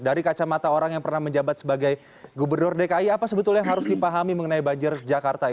masyarakat harus bertanggung jawab juga terhadap banjir